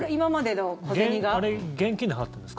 現金で払ってるんですか？